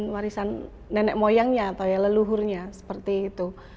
warisan nenek moyangnya atau ya leluhurnya seperti itu